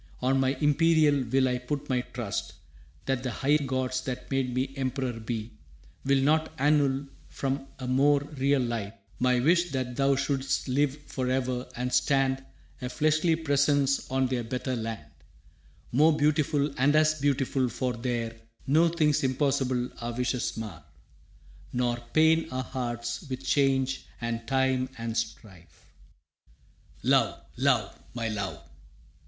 On my imperial will I put my trust That the high gods, that made me emperor be, Will not annul from a more real life My wish that thou shouldst live for e'er and stand A fleshly presence on their better land, More beautiful and as beautiful, for there No things impossible our wishes mar Nor pain our hearts with change and time and strife. «Love, love, my love!